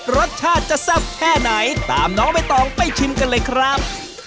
รสชาติจะแซ่บแค่ไหนตามน้องใบตองไปชิมกันเลยครับ